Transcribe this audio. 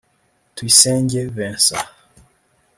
Tuyisenge Vincent